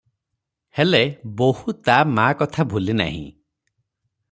ହେଲେ, ବୋହୂ ତା ମା କଥା ଭୁଲି ନାହିଁ ।